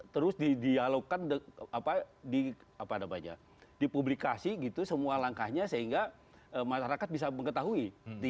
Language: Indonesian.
terus di dialogkan dipublikasi semua langkahnya sehingga masyarakat bisa mengetahui